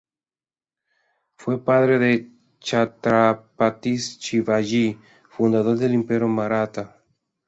Fue padre de Chhatrapati Shivaji, fundador del Imperio Maratha.